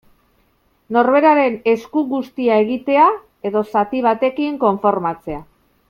Norberaren esku guztia egitea, edo zati batekin konformatzea.